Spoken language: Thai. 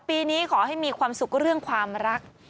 ปีนี้ขอให้มีความสุขเรื่องความรัก